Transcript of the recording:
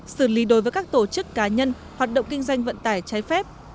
xử lý đối với các tổ chức cá nhân hoạt động kinh doanh vận tải trái phép